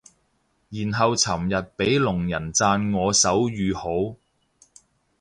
然後尋日俾聾人讚我手語好